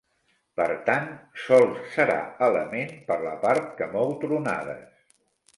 Per tant, sols serà element per la part que mou tronades.